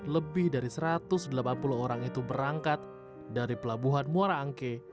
lebih dari satu ratus delapan puluh orang itu berangkat dari pelabuhan muara angke